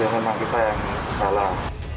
ya memang kita yang salah